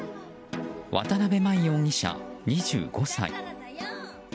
渡辺真衣容疑者、２５歳。